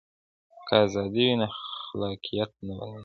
که ازادي وي نو خلاقیت نه بنديږي.